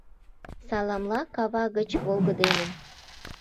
Саламла кава гыч, волгыдемын